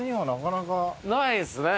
ないっすね